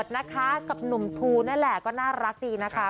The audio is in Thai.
ดูนั่นแหละก็น่ารักดีนะคะ